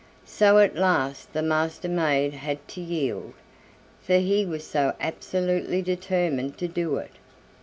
So at last the Master maid had to yield, for he was so absolutely determined to do it.